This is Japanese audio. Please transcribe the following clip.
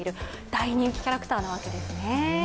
大人気キャラクターなわけですね。